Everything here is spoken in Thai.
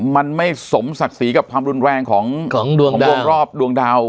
มันไม่สมศักดิ์ศรีกับความรุนแรงของดวงรอบดวงดาว